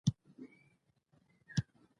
کورنۍ د ګډو خوړو له لارې خپل تړاو پیاوړی کوي